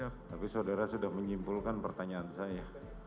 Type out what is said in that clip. tapi saudara sudah menyimpulkan pertanyaan saya